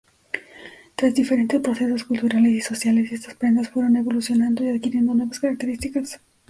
Tras diferentes procesos culturales y sociales estas prendas fueron evolucionando y adquiriendo nuevas características.